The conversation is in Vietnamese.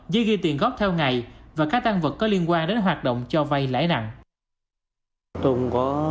dưới ghi tiền góp theo ngày và các tăng vật có liên quan đến hoạt động cho vay lãi nặng